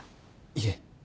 いえ。